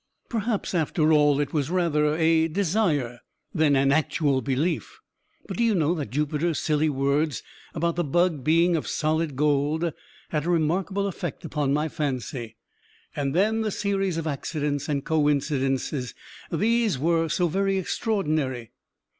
Perhaps, after all, it was rather a desire than an actual belief; but do you know that Jupiter's silly words, about the bug being of solid gold, had a remarkable effect upon my fancy? And then the series of accidents and coincidents these were so very extraordinary.